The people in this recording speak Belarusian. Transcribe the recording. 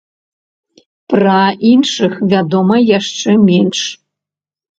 Пра іншых вядома яшчэ менш.